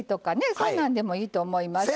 そんなんでもいいと思いますよ。